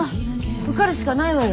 受かるしかないわよ